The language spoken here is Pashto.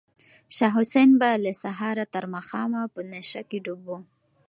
شاه حسین به له سهاره تر ماښامه په نشه کې ډوب و.